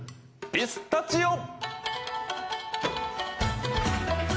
ピスタチオ。